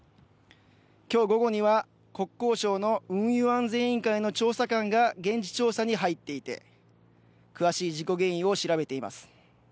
今日午後には国交省の運輸安全委員会の調査官が現地調査に入っていて、詳しい事故原因を調べています。